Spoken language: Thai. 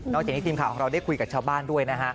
จากนี้ทีมข่าวของเราได้คุยกับชาวบ้านด้วยนะฮะ